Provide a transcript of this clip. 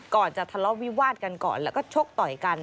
ก่อนจะทะเลาะวิวาดกันก่อนแล้วก็ชกต่อยกัน